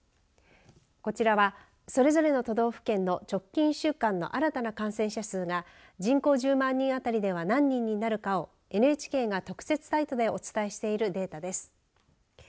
こちらはそれぞれの都道府県の直近１週間の新たな感染者数が人口１０万人当たりでは何人になるかをＮＨＫが特設サイトでお伝えしているデータです。